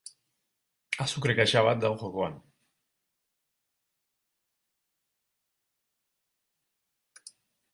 Azukre kaxa bat dago jokoan.